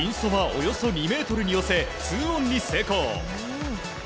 およそ２ｍに寄せ２オンに成功。